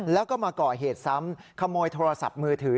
แล้วก็มาก่อเหตุซ้ำขโมยโทรศัพท์มือถือ